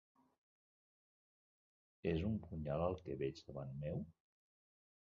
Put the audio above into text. És un punyal el que veig davant meu?